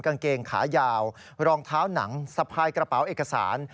กางเกงขายาวรองเท้าหนังสะพายกระเป๋าเอกสาร